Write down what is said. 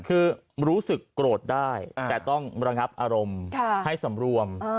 คือรู้สึกโกรธได้แต่ต้องระงับอารมณ์ให้สำรวม